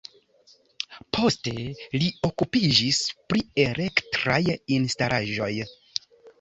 Poste li okupiĝis pri elektraj instalaĵoj.